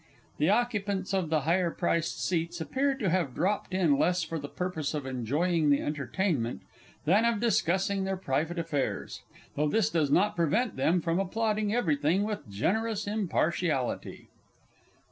The occupants of the higher priced seats appear to have dropped in less for the purpose of enjoying the entertainment than of discussing their private affairs though this does not prevent them from applauding everything with generous impartiality.